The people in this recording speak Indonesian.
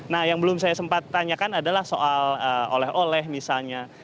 nah yang belum saya sempat tanyakan adalah soal oleh oleh misalnya